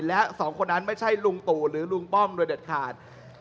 และสองคนนั้นไม่ใช่ลุงตู่หรือลุงป้อมโดยเด็ดขาด